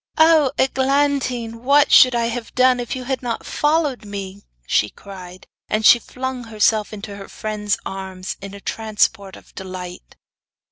'Oh, Eglantine! what should I have done if you had not followed me,' she cried. And she flung herself into her friend's arms in a transport of delight.